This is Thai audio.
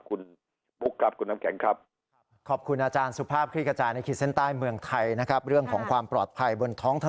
คุณปุ๊กครับคุณน้ำแข็งครับ